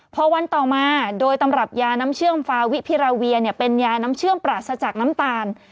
พอวันต่อมาโดยตำรับยาน้ำเชื่อมฟาวิพิราเวียเป็นยาน้ำเชื่อมปราศจากน้ำตาล